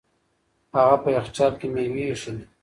هغه په یخچال کې مېوې ایښې دي.